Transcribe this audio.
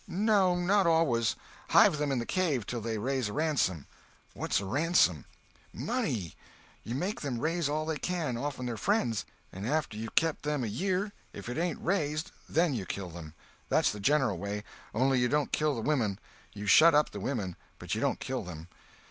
"No, not always. Hive them in the cave till they raise a ransom." "What's a ransom?" "Money. You make them raise all they can, off'n their friends; and after you've kept them a year, if it ain't raised then you kill them. That's the general way. Only you don't kill the women. You shut up the women, but you don't kill them.